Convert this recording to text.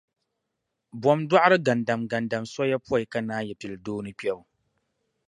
Bɔm dɔɣiri gandamgandam soya pɔi ka naayi pili dooni kpɛbu.